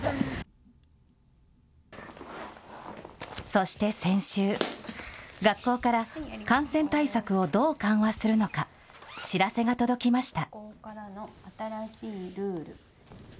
そして先週、学校から、感染対策をどう緩和するのか、知らせが届きました。